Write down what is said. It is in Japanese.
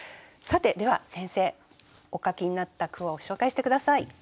さてでは先生お書きになった句を紹介して下さい。